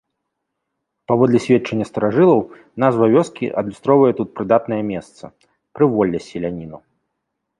Паводле сведчання старажылаў, назва вёскі адлюстроўвае тут прыдатнае месца, прыволле селяніну.